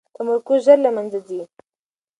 تمرکز ژر له منځه ځي.